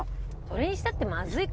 それにしたって。